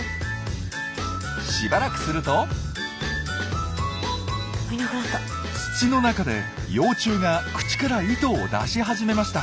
しばらくすると土の中で幼虫が口から糸を出し始めました。